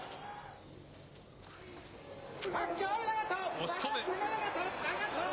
押し込む。